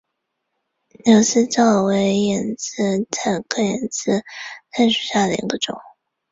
柳丝藻为眼子菜科眼子菜属下的一个种。